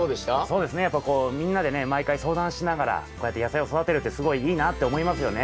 そうですねやっぱこうみんなでね毎回相談しながらこうやって野菜を育てるってすごいいいなあって思いますよね。